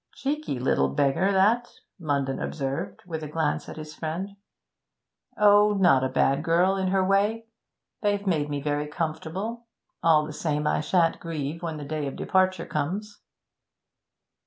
'Cheeky little beggar that,' Munden observed, with a glance at his friend. 'Oh, not a bad girl in her way. They've made me very comfortable. All the same, I shan't grieve when the day of departure comes.'